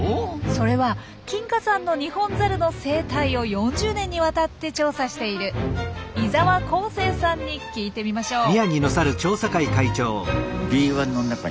それは金華山のニホンザルの生態を４０年にわたって調査している伊沢紘生さんに聞いてみましょう。